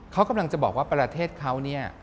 เขากำลังจะบอกว่าประเทศเขาเนี่ย